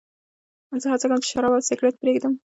زه هڅه کوم چې شراب او سګرېټ پرېږدم.